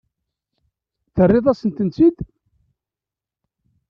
Terriḍ-asent-tent-id?